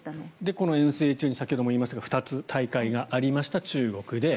この遠征中に先ほども言いましたけど２つ大会がありました中国で。